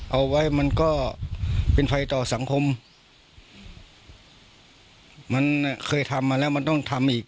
เอาไว้มันก็เป็นภัยต่อสังคมมันเคยทำมาแล้วมันต้องทำอีก